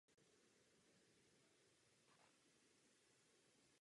Tato revoluce přinesla odstranění poddanství a jiných feudálních vazeb.